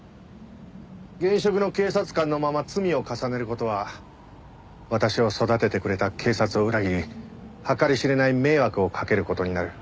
現職の警察官のまま罪を重ねる事は私を育ててくれた警察を裏切り計り知れない迷惑をかける事になる。